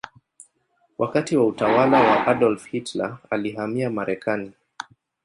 Wakati wa utawala wa Adolf Hitler alihamia Marekani.